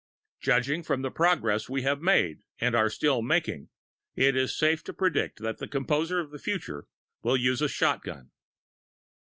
Judging from the progress we have made and are still making, it is safe to predict that the composer of the future will use a shotgun.